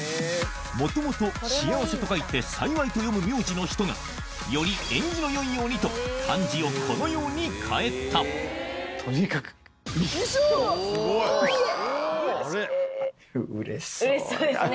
元々「幸せ」と書いて「幸」と読む名字の人がより縁起の良いようにと漢字をこのように変えたうれしそうですね